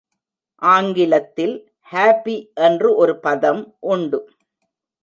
ஆங்கிலத்தில் ஹாபி என்று ஒரு பதம் உண்டு.